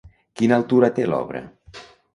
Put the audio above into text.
Quina altura té l'obra?